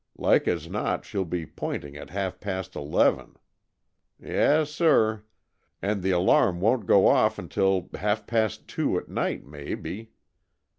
Like as not she'll be pointing at half past eleven. Yes, sir! And the alarm won't go off until half past two at night, maybe.